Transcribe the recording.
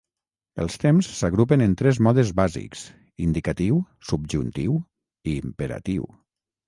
Els temps s'agrupen en tres modes bàsics: indicatiu, subjuntiu i imperatiu.